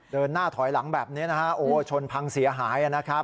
เดินหน้าถอยหลังแบบนี้นะฮะโอ้ชนพังเสียหายนะครับ